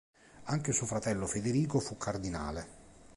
Anche suo fratello Federico fu cardinale.